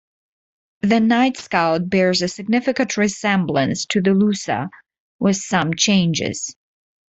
The NiteScout bears a significant resemblance to the Lusa with some changes.